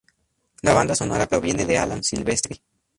La banda sonora proviene de Alan Silvestri.